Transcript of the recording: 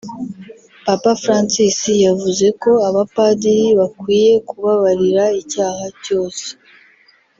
Papa Francis yavuze ko abapadiri bakwiye kubabarira icyaha cyose